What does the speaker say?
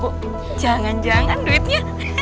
oh jangan jangan duitnya